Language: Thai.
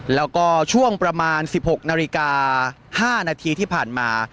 แล้วก็ช่วงประมาณ๑๖นาฬิกา๕นาทีที่ผ่านมา